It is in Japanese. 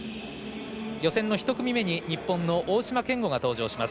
予選の１組目に日本の大島健吾が登場します。